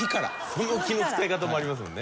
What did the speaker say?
その気の使い方もありますもんね。